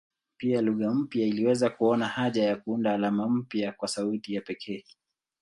Pia lugha mpya iliweza kuona haja ya kuunda alama mpya kwa sauti ya pekee.